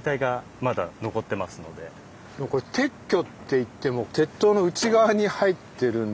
これ撤去っていっても鉄塔の内側に入ってるんで。